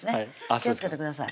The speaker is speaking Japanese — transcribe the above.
気をつけてください